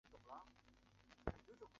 米尔斯也十分关注苏联。